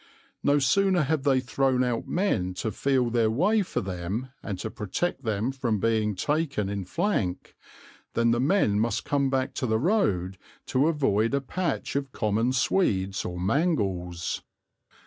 No sooner have they thrown out men to feel their way for them and to protect them from being taken in flank, than the men must come back to the road to avoid a patch of common swedes or mangels."